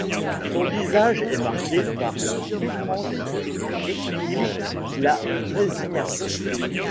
Son visage est marqué par la souffrance et exprime la résignation.